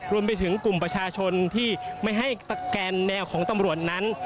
รวมไปถึงกลุ่มประชาชนที่ไม่ให้สแกนแนวของตำรวจนั้น